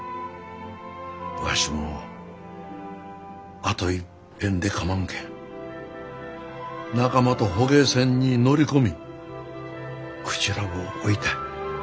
わしもあといっぺんでかまんけん仲間と捕鯨船に乗り込みクジラを追いたい。